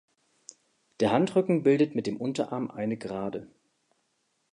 Der Handrücken bildet mit dem Unterarm eine Gerade.